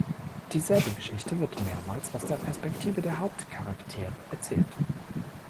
Dieselbe Geschichte wird mehrmals aus der Perspektive der Hauptcharaktere erzählt.